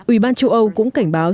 ủy ban châu âu cũng cảnh báo